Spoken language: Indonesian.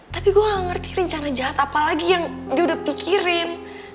tapi gue gak ngerti rencana jahat apalagi yang dia udah pikirin